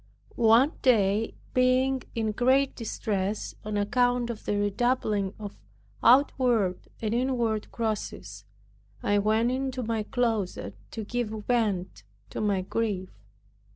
One day, being in great distress on account of the redoubling of outward and inward crosses, I went into my closet to give vent to my grief.